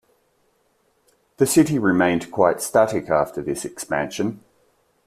The city remained quite static after this expansion.